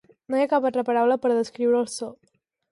No hi ha cap altra paraula per descriure el so.